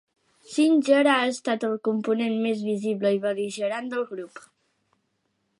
Singer ha estat el component més visible i bel·ligerant del grup.